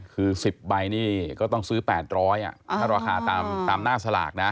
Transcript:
คือ๑๐ใบนี่ก็ต้องซื้อ๘๐๐ถ้าราคาตามหน้าสลากนะ